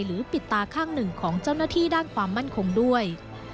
หรือปิดตาข้างหนึ่งของเจ้าหน้าที่ด้านความมั่นคงด้วย